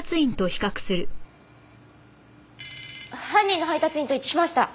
犯人の配達員と一致しました！